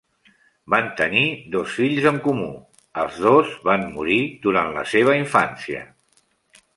Van tenir dos fills en comú, els dos van morir durant la seva infància.